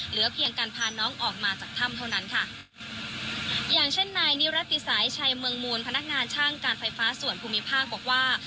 เหลือเพียงการพาน้องออกมาจากถ้ำเท่านั้นค่ะอย่างเช่นนายนิรัติสายชัยเมืองมูลพนักงานช่างการไฟฟ้าส่วนภูมิภาคบอกว่า